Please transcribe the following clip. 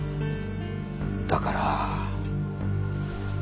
だから。